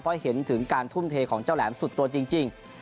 เพราะเห็นถึงการทุ่มเทของเจ้าแหลมสุดตัวจริง